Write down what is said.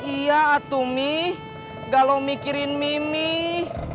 iya atuh mih galau mikirin mimih